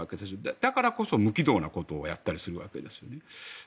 だからこそ、無軌道なことをやったりするわけですよね。